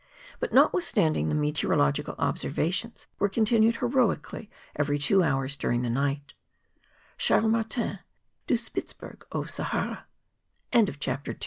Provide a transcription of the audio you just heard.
But, notwithstanding, the me¬ teorological observations were continued heroically every two hours during the night. Charles Martins, Du Spitzherg au Sahara.